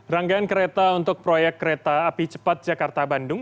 rangkaian kereta untuk proyek kereta api cepat jakarta bandung